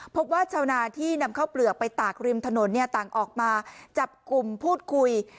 พบว่าชาวนาที่นำเข้าเปลือกไปตากริมถนนต่างออกมาจับกลุ่มพูดคุย